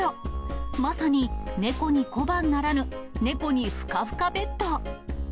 まさに猫に小判ならぬ、猫にふかふかベッド。